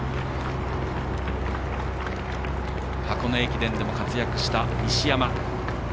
箱根駅伝でも活躍した西山。